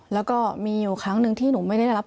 แล้วก็มีอยู่ครั้งหนึ่งที่หนูไม่ได้รับ